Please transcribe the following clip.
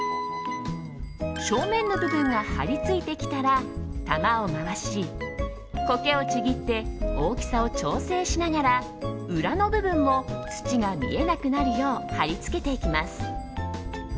正面の部分が貼り付いてきたら玉を回し苔をちぎって大きさを調整しながら裏の部分も土が見えなくなるよう貼り付けていきます。